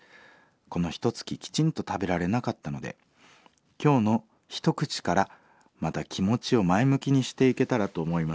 このひとつききちんと食べられなかったので今日の一口からまた気持ちを前向きにしていけたらと思います。